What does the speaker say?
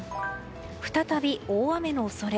再び大雨の恐れ。